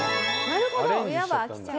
なるほどね。